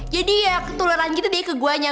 jadi ya ketularan gitu deh ke guanya